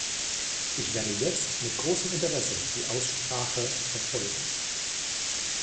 Ich werde jetzt mit großem Interesse die Aussprache verfolgen.